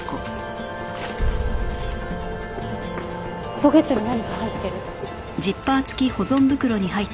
ポケットに何か入ってる。